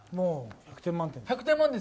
１００点満点です。